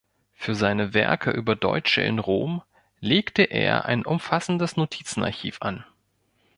Für seine Werke über "Deutsche in Rom" legte er ein umfassendes Notizen-Archiv an.